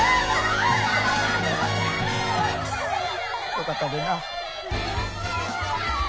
よかったでんなあ。